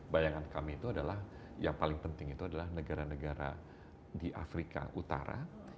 bayangan kami itu adalah yang paling penting itu adalah negara negara di afrika utara